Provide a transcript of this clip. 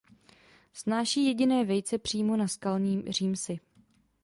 Snáší jediné vejce přímo na skalní římsy.